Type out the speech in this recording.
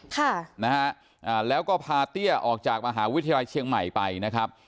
ค่ะนะฮะอ่าแล้วก็พาเตี้ยออกจากมหาวิทยาลัยเชียงใหม่ไปนะครับ